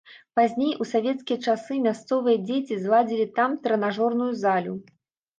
Пазней, у савецкія часы мясцовыя дзеці зладзілі там трэнажорную залю.